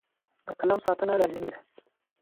د قلم ساتنه لازمي ده.